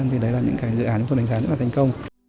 thì đấy là những cái dự án chúng tôi đánh giá rất là thành công